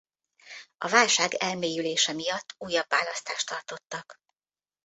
A válság elmélyülése miatt újabb választást tartottak.